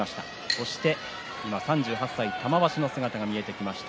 そして今３８歳玉鷲の姿が見えてきました。